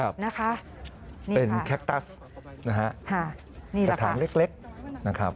เป็นแคคตัสกระถางเล็ก